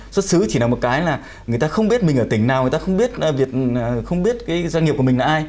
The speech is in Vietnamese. xuất xứ chỉ là một cái là người ta không biết mình ở tỉnh nào người ta không biết doanh nghiệp của mình là ai